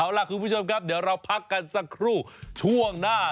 เอาล่ะคุณผู้ชมเดี๋ยวเราพักกันช่วงหน้า